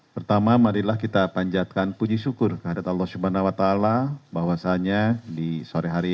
pertama mari kita panjatkan puji syukur kehadirat allah swt bahwasanya di sore hari ini